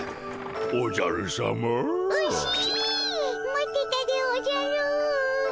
待ってたでおじゃる。